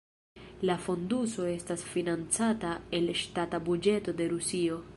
La fonduso estas financata el ŝtata buĝeto de Rusio.